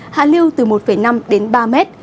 hạ lưu từ một năm đến ba m